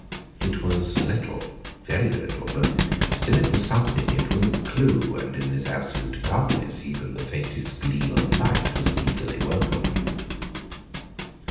It was little very little but still it was something. It was a clue; and in this absolute darkness even the faintest gleam of light was eagerly welcomed.